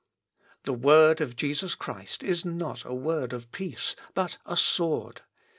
The word of Jesus Christ is not a word of peace, but a sword.